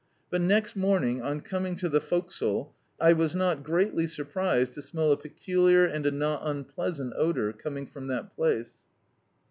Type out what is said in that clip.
But, next morning, on coming to the forecastle I was not greatly surprised to smell a peculiar and a not unpleasant odour, coming from that place.